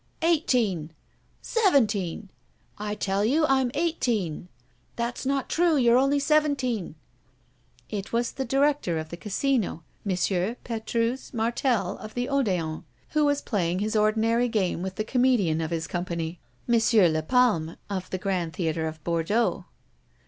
"Eighteen!" "Seventeen!" "I tell you I'm eighteen." "That's not true you're only seventeen!" It was the director of the Casino, M. Petrus Martel of the Odéon, who was playing his ordinary game with the comedian of his company, M. Lapalme of the Grand Theater of Bordeaux.